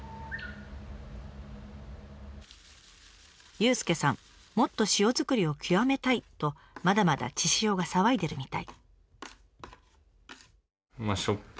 佑介さんもっと塩作りを極めたいとまだまだ血潮が騒いでるみたい。